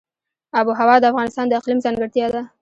آب وهوا د افغانستان د اقلیم ځانګړتیا ده.